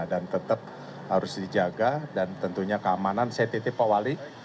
dan tetap harus dijaga dan tentunya keamanan saya titip awali